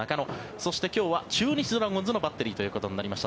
そして今日は中日ドラゴンズのバッテリーとなりました。